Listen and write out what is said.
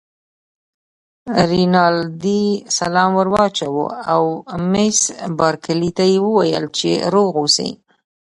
رینالډي سلام ور واچاوه او مس بارکلي ته یې وویل چې روغ اوسی.